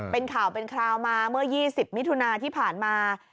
เป็นข่าวเป็นคราวมาเมื่อ๒๐มิถุนาที่ผ่านมา